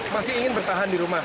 masih ingin bertahan di rumah